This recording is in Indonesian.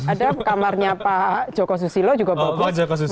ada kamarnya pak joko susilo juga bagus